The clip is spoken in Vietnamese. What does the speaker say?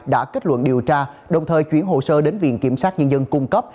đã kết luận điều tra đồng thời chuyển hồ sơ đến viện kiểm sát nhân dân cung cấp